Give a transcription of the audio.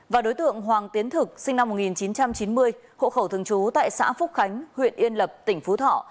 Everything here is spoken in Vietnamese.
và đối tượng hoàng tiến thực sinh năm một nghìn chín trăm chín mươi hộ khẩu thường trú tại xã phúc khánh huyện yên lập tỉnh phú thọ